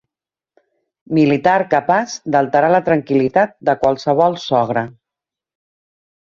Militar capaç d'alterar la tranquil·litat de qualsevol sogre.